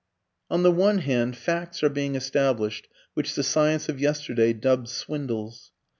On the one hand, FACTS are being established which the science of yesterday dubbed swindles.